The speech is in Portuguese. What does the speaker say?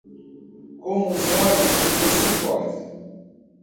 Com os olhos, ninguém se importa.